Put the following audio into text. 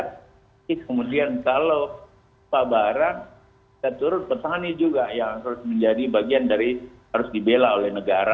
tapi kemudian kalau lupa barang kita turun petani juga yang harus menjadi bagian dari harus dibela oleh negara